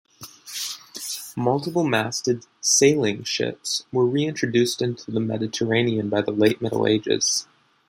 Multiple-masted "sailing" ships were reintroduced into the Mediterranean by the Late Middle Ages.